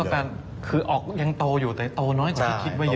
คือยังโตอยู่แต่โตน้อยเจ้าคิดว่าเยอะ